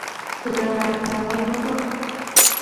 ক্ষুধা লাগছে আমার মত?